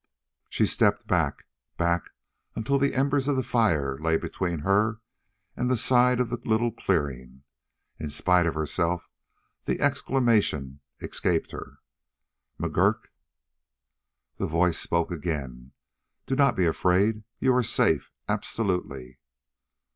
She stepped back, back until the embers of the fire lay between her and that side of the little clearing. In spite of herself the exclamation escaped her "McGurk!" The voice spoke again: "Do not be afraid. You are safe, absolutely."